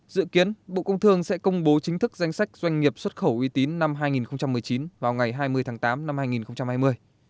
dự kiến bộ công thương sẽ công bố chính thức danh sách doanh nghiệp xuất khẩu uy tín năm hai nghìn một mươi chín vào ngày hai mươi tháng tám năm hai nghìn hai mươi